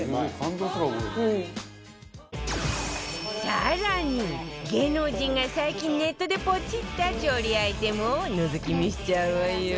更に芸能人が最近ネットでポチった調理アイテムをのぞき見しちゃうわよ